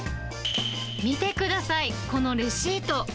見てください、このレシート。